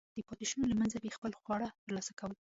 د پاتېشونو له منځه به یې خپل خواړه ترلاسه کول.